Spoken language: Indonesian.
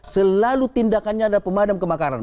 selalu tindakannya adalah pemadam kebakaran